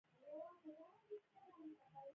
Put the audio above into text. خاوره د افغانانو د ګټورتیا برخه ده.